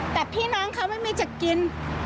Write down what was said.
แต่พี่น้องเขาไม่มีจะกิน